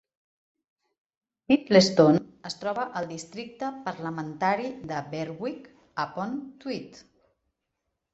Biddlestone es troba al districte parlamentari de Berwick-upon-Tweed.